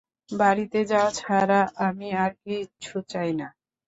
বাড়িতে যাওয়া ছাড়া আমি আর কিচ্ছু চাই না!